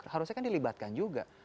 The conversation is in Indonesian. harusnya kan dilibatkan juga